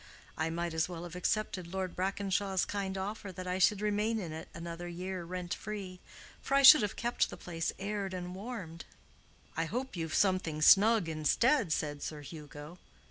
I might as well have accepted Lord Brackenshaw's kind offer that I should remain in it another year rent free: for I should have kept the place aired and warmed." "I hope you've something snug instead," said Sir Hugo.